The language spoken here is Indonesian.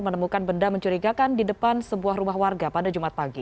menemukan benda mencurigakan di depan sebuah rumah warga pada jumat pagi